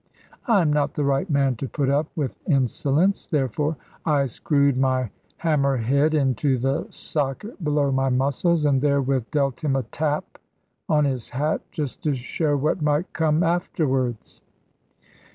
I am not the right man to put up with insolence; therefore I screwed my hammer head into the socket below my muscles, and therewith dealt him a tap on his hat, just to show what might come afterwards.